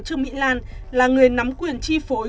trước mỹ lan là người nắm quyền chi phối